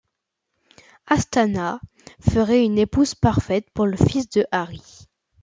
Asthana ferait une épouse parfaite pour le fils de Hari.